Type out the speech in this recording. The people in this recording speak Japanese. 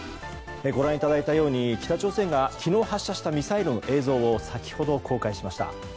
ご覧いただいたように北朝鮮が昨日発射したミサイルの映像を先ほど公開しました。